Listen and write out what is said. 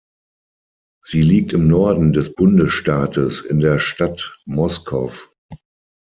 Sie liegt im Norden des Bundesstaates in der Stadt Moscow.